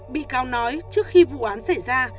bị cáo nói trước khi vụ án xảy ra